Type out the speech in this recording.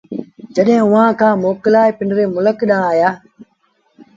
جڏهيݩ اُئآݩ کآݩ موڪلآئي پنڊري ملڪ ڏآݩهݩ آيآ